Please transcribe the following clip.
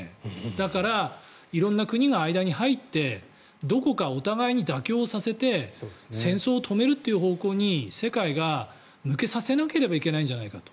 だから色んな国が間に入ってどこかお互いに妥協させて戦争を止めるという方向に世界が向けさせなければいけないんじゃないかと。